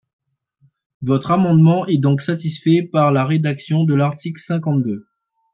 Votre amendement est donc satisfait par la rédaction de l’article cinquante-deux.